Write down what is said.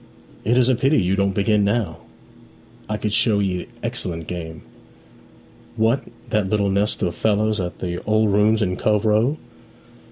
'It is a pity you don't begin now. I could show 'ee excellent game.' 'What, that little nest of fellows at the "Old Rooms" in Cove Row?